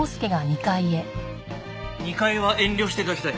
２階は遠慮して頂きたい。